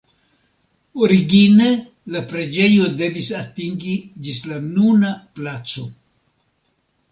Origine la preĝejo devis atingi ĝis la nuna placo.